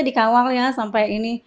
dikawal ya sampai ini